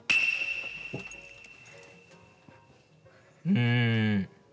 うん。